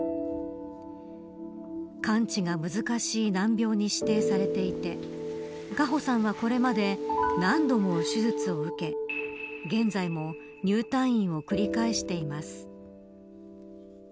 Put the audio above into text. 完治が難しい難病に指定されていて果歩さんはこれまで何度も手術を受け現在も入退院を繰り返しています。